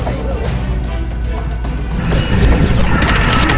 แบบนี้